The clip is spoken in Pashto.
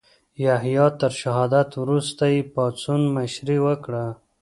یحیی تر شهادت وروسته یې پاڅون مشري وکړه.